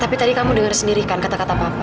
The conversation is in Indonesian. tapi tadi kamu dengar sendiri kan kata kata papa